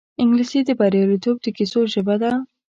انګلیسي د بریالیتوب د کیسو ژبه ده